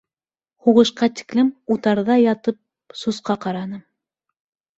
Һуғышҡа тиклем, утарҙа ятып сусҡа ҡараным.